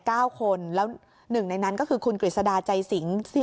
คนแล้วหนึ่งในนั้นก็คือคุณกฤษดาใจสิง